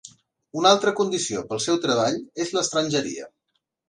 Una altra condició pel seu treball és l'estrangeria.